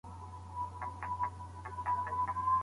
نوښتګر فکر د ستونزو نوي حلونه پیدا کوي.